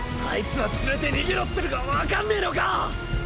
あいつら連れて逃げろってのが分かんねぇのか！